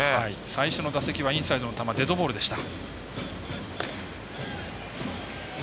最初の打席はインサイドの球デッドボールでした。